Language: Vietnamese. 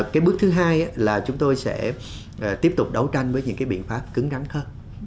cái bước thứ hai là chúng tôi sẽ tiếp tục đấu tranh với những cái biện pháp cứng rắn hơn